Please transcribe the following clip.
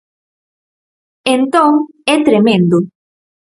Entón, é tremendo.